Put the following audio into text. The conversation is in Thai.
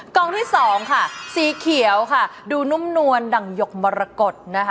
กล่องที่๒ค่ะสีเขียวค่ะดูนุ่มนวลดังหยกมรกฎ